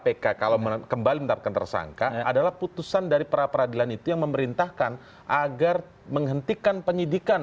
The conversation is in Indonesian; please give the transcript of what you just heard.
kpk kalau kembali menetapkan tersangka adalah putusan dari pra peradilan itu yang memerintahkan agar menghentikan penyidikan